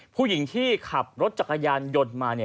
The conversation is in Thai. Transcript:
ผู้หญิงที่ขับรถจักรยานยนต์มา